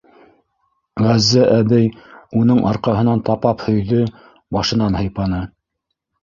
Ғәззә әбей уның арҡаһынан тапап һөйҙө, башынан һыйпаны.